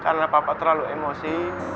karena papa terlalu emosi